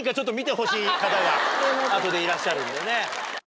後でいらっしゃるんでね。